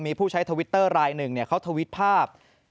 มีผู้ใช้ทวิตเตอร์รายหนึ่งเขาทวิตภาพ